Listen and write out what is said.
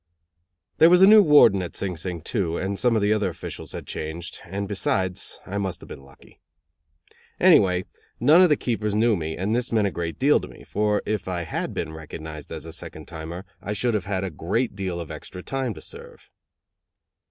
There was a new warden at Sing Sing, too, and some of the other officials had changed; and, besides, I must have been lucky. Anyway, none of the keepers knew me, and this meant a great deal to me; for if I had been recognized as a second timer I should have had a great deal of extra time to serve.